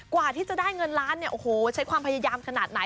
กว่าที่จะได้เงินล้านเนี่ยโอ้โหใช้ความพยายามขนาดไหน